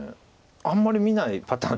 あんまり見ないパターンです。